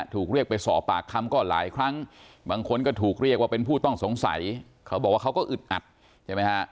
ถูกเรียกไปสอบปากคำก็หลายครั้งบางคนก็ถูกเรียกว่าเป็นผู้ต้องสงสัยเขาบอกว่าเขาก็อึดอัดใช่ไหมฮะ